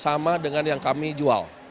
sama dengan yang kami jual